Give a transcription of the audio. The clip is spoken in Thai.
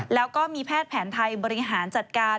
แล้วก็มีแพทย์แผนไทยบริหารจัดการ